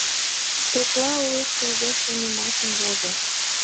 Пӧкла уэш келге шонымашыш возо.